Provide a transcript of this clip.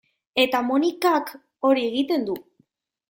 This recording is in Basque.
Eta Monikak hori egiten du.